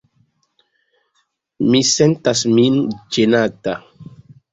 Mi sentas min ĝenata.